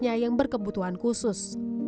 untuk anaknya yang berkebutuhan khusus